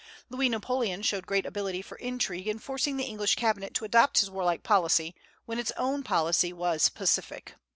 Louis Napoleon showed great ability for intrigue in forcing the English cabinet to adopt his warlike policy, when its own policy was pacific.